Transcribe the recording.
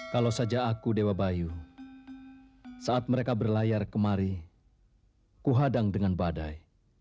kalau saja aku dewa bayu saat mereka berlayar kemari kuhadang dengan badai